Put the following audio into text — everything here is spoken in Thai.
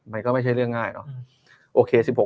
มันก็ไม่ใช่เรื่องง่ายหรอก